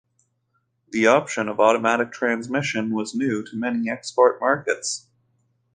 The option of automatic transmission was new to many export markets.